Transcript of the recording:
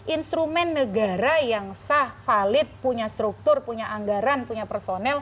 instrumen negara yang sah valid punya struktur punya anggaran punya personel